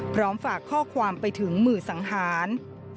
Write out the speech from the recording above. พร้อมฝากข้อความไปถึงมือสังหาร